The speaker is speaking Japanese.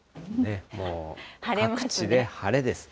もう各地で晴れです。